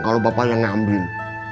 kalau bapak yang ngambil